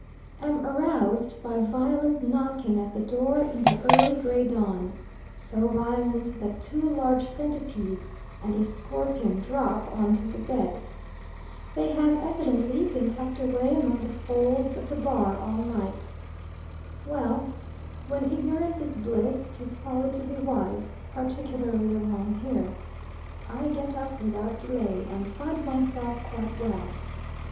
Am aroused by violent knocking at the door in the early gray dawn so violent that two large centipedes and a scorpion drop on to the bed. They have evidently been tucked away among the folds of the bar all night. Well "when ignorance is bliss 'tis folly to be wise," particularly along here. I get up without delay, and find myself quite well.